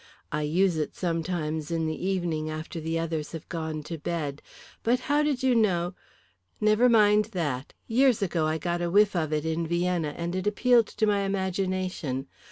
I use it sometimes in the evening after the others have gone to bed. But how did you know " "Never mind that. Years ago I got a whiff of it in Vienna, and it appealed to my imagination.